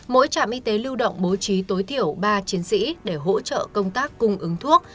mỗi trạm y tế lưu động bố trí tối thiểu ba chiến sĩ để hỗ trợ công tác cung ứng thuốc